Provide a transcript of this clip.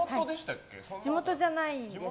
地元じゃないです。